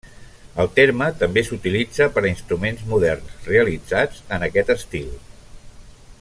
El terme també s'utilitza per a instruments moderns realitzats en aquest estil.